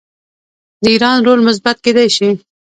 د ایران رول مثبت کیدی شي.